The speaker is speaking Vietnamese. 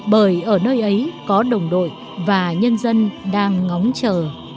bởi ở nơi ấy có đồng đội và nhân dân đang ngóng chờ